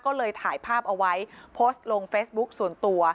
ก็เลยถ่ายภาพเอาไว้โพสต์ลงเฟซบุ๊คส่วนตัว